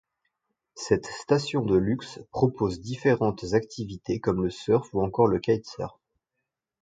Cette station de luxe propose différentes activités comme le surf ou encore le kitsurf.